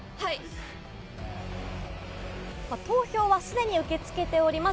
投票はすでに受け付けております。